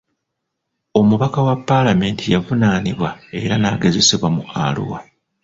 Omubaka wa palamenti yavunaanibwa era n'agezesebwa mu Arua.